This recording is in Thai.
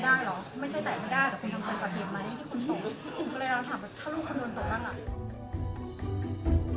ด่าโดยก็จะคิดครูเป็นนางเจาแหล่ดูหนังมาก